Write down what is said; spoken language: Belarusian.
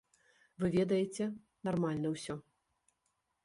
Вы ведаеце, нармальна ўсё.